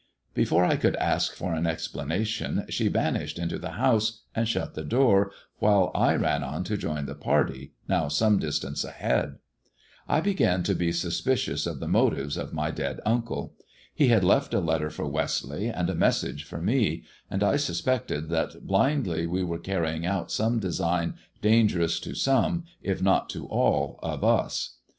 Before I could ask for an explanation, she vanished into the house and shut the door, while I ran on to join the party, now some distance ahead. I began to be suspicious 208 THE DEAD MAN*S DIAMONDS of the motives of my dead uncle. He had left a letter for Westleigh, and a message for me; and I suspected that blindly we were carrying out some design dangerous to some, if not to all of us.